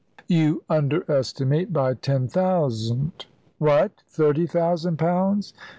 "You underestimate by ten thousand." "What! Thirty thousand pounds?"